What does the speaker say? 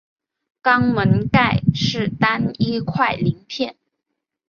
肛门盖是单一块鳞片。